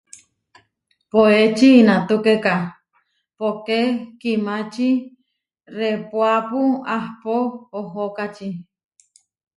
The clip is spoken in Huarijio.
Poéči inatúkeka, póke kimači répuapu ahpó ohókači.